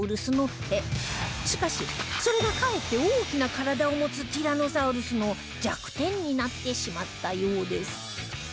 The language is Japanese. しかしそれがかえって大きな体を持つティラノサウルスの弱点になってしまったようです